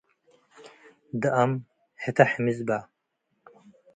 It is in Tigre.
ደአም ህተ ሕምዝ በ።